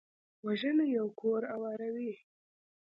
وژنه یو کور اوروي